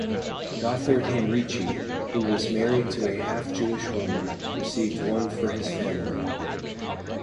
Gotthard Heinrici, who was married to a half-Jewish woman, received one for his family.